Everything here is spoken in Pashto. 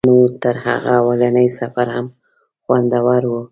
دا نو تر هغه اولني سفر هم خوندور و.